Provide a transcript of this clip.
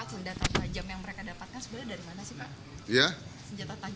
senjata tajam yang mereka dapatkan